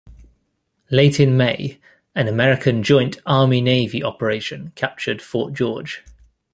Late in May, an American joint Army-Navy operation captured Fort George.